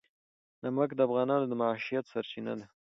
نمک د افغانانو د معیشت سرچینه ده.